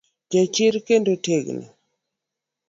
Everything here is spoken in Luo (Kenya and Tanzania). Jachir, kendo otegno.